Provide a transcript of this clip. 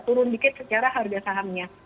turun dikit secara harga sahamnya